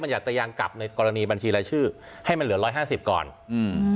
อยากตะยางกลับในกรณีบัญชีรายชื่อให้มันเหลือร้อยห้าสิบก่อนอืม